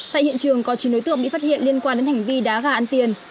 tại hiện trường có chỉ nối tượng bị phát hiện liên quan đến hành vi đá gà ăn tiền